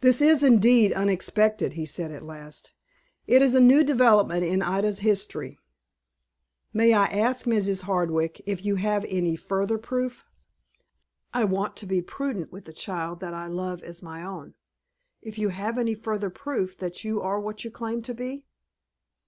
"This is, indeed, unexpected," he said, at last. "It is a new development in Ida's history. May I ask, Mrs. Hardwick, if you have any further proof. I want to be prudent with a child that I love as my own, if you have any further proof that you are what you claim to be?"